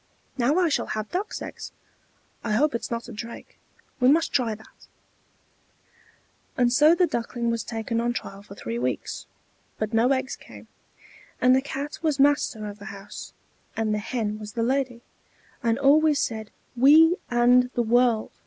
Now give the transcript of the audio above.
"Now I shall have duck's eggs. I hope it is not a drake. We must try that." And so the Duckling was taken on trial for three weeks, but no eggs came. And the Cat was master of the house, and the Hen was the lady, and always said "We and the world!"